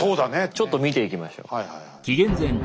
ちょっと見ていきましょう。